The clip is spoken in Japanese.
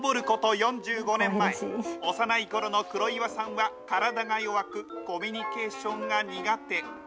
４５年前、幼いころの黒岩さんは体が弱く、コミュニケーションが苦手。